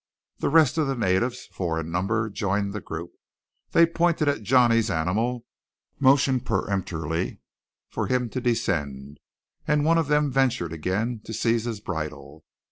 The rest of the natives, four in number, joined the group. They pointed at Johnny's animal, motioned peremptorily for him to descend; and one of them ventured again to seize his bridle.